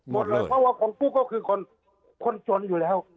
เพราะว่าของกูก็คือคนคนชนอยู่แล้ว